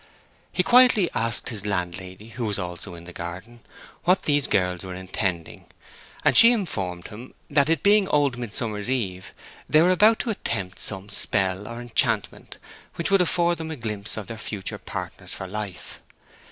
He quietly asked his landlady, who was also in the garden, what these girls were intending, and she informed him that it being Old Midsummer Eve, they were about to attempt some spell or enchantment which would afford them a glimpse of their future partners for life.